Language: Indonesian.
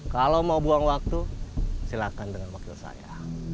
kalau mau buang waktu silakan dengan wakil saya